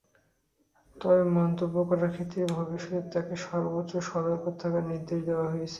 তবে মন্তব্য করার ক্ষেত্রে ভবিষ্যতে তাঁকে সর্বোচ্চ সতর্ক থাকার নির্দেশ দেওয়া হয়েছে।